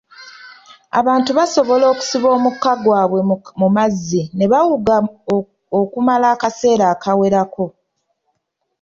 Abantu basobola okusiba omukka gwabwe mu mazzi ne bawuga okumala akaseera akawerako.